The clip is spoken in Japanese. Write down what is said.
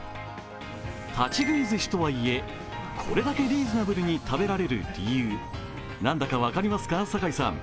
立ち食いずしとはいえ、これだけリーズナブルに食べられる理由、何だか分かりますか、酒井さん？